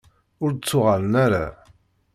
Ur d-ttuɣalen ara.